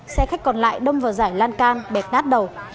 xe khách còn lại đâm vào giải lan can bẹt nát đầu